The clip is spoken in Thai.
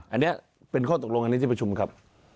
อันนี้เป็นข้อตกลงอันนี้ที่ประชุมครับ